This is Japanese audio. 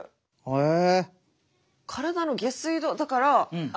へえ。